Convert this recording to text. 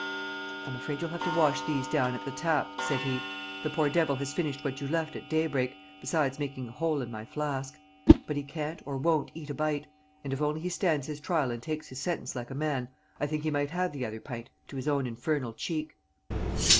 "I'm afraid you'll have to wash these down at that tap," said he. "The poor devil has finished what you left at daybreak, besides making a hole in my flask; but he can't or won't eat a bite, and if only he stands his trial and takes his sentence like a man, I think he might have the other pint to his own infernal cheek."